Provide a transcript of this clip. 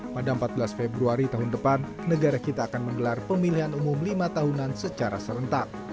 pada empat belas februari tahun depan negara kita akan menggelar pemilihan umum lima tahunan secara serentak